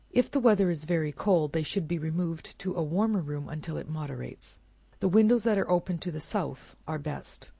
If the weather is very cold, they should be removed to a warmer room, until it moderates. The windows that are open to the south are best.